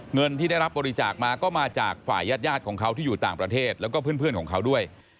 เงินที่ได้รับบริจาคมาก็มาจากฝ่ายญาติของเขาที่อยู่ต่างประเทศแล้วก็เพื่อนของเขาด้วย